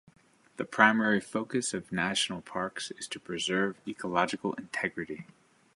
The primary focus of national parks is to preserve ecological integrity.